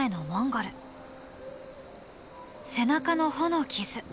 背中の帆の傷。